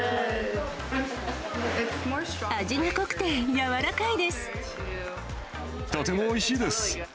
味が濃くて、とてもおいしいです。